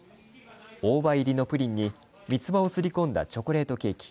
大葉入りのプリンにみつばをすり込んだチョコレートケーキ